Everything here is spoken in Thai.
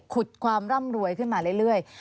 ความร่ำรวยขึ้นมาเรื่อย